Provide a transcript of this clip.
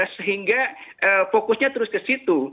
sehingga fokusnya terus ke situ